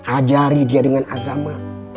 ajari dia dengan agama